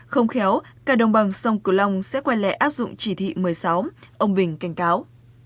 không khéo cả đồng bằng sông cửu long sẽ quay lé áp dụng chỉ thị một mươi sáu ông bình cảnh cáo